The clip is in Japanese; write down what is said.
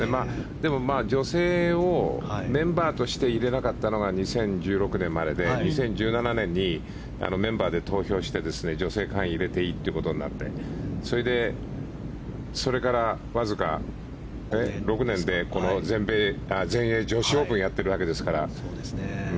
女性をメンバーとして入れなかったのが２０１６年までで２０１７年でメンバーで投票して女性会員入れていいってなってそれからわずか６年で全英女子オープンやってるわけですから。